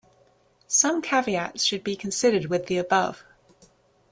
Some caveats should be considered with the above.